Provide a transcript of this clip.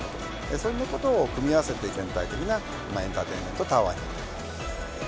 そういうことを組み合わせて、全体的なエンターテインメントタワーになっている。